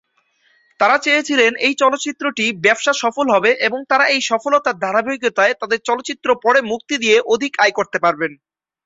তারা চেয়েছিলেন এই চলচ্চিত্রটি ব্যবসাসফল হবে এবং তারা এই সফলতার ধারাবাহিকতায় তাদের চলচ্চিত্র পরে মুক্তি দিয়ে অধিক আয় করতে পারবেন।